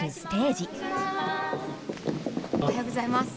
おはようございます。